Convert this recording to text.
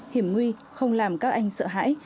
hiểm nguy không làm các anh sợ hãi